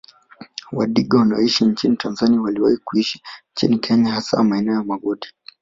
Wadigo wanaoishi nchini Tanzania waliwahi kuishi nchini Kenya hasa maeneo ya Magodi